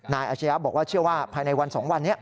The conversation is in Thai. อาชญะบอกว่าเชื่อว่าภายในวัน๒วันนี้